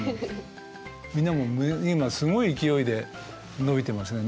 みんなもう今すごい勢いで伸びてますね。